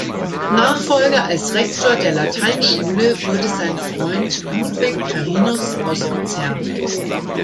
Nachfolger als Rektor der Lateinschule wurde sein Freund Ludwig Carinus aus Luzern.